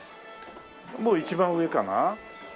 もう一番上かな？